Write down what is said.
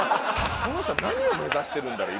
この人は何を目指してるんだろう？